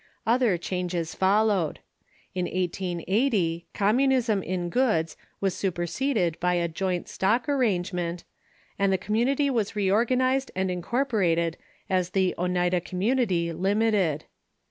Other changes followed. In 1880, communism in goods was superseded by a joint stock arrange ment, and the community was reorganized and incorporated as the Oneida Community, Limited.